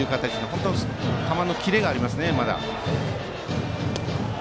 本当に球のキレがありますねまだ。